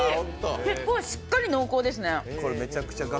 結構しっかり濃厚ですね。